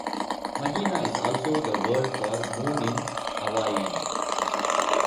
"Mahina" is also the word for Moon in Hawaiian.